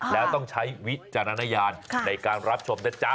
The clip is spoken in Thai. แล้วต้องใช้วิจารณญาณในการรับชมนะจ๊ะ